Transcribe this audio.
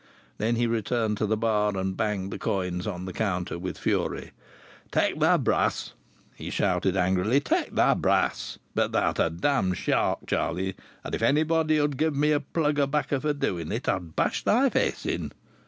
Then he returned to the bar and banged the coins on the counter with fury. "Take thy brass!" he shouted angrily. "Take thy brass! But thou'rt a damned shark, Charlie, and if anybody 'ud give me a plug o' bacca for doing it, I'd bash thy face in."